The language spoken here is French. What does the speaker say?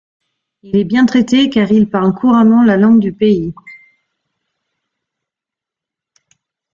Il est bien traité car il parle couramment la langue du pays.